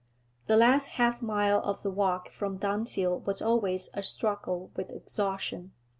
The last half mile of the walk from Dunfield was always a struggle with exhaustion.